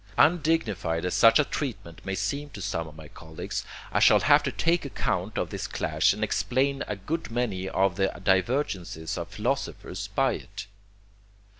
Undignified as such a treatment may seem to some of my colleagues, I shall have to take account of this clash and explain a good many of the divergencies of philosophers by it.